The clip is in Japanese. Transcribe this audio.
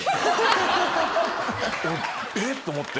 えっ⁉と思って。